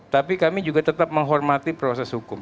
tapi kami juga tetap menghormati proses hukum